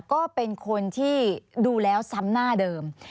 ก็เป็นคนที่ดูแล้วซ้ำหน้าเดิม